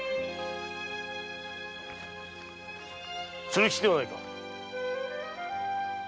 鶴吉ではないか？